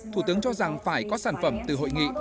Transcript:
thủ tướng cho rằng phải có sản phẩm từ hội nghị